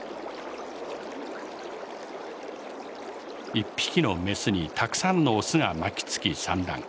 １匹のメスにたくさんのオスが巻きつき産卵。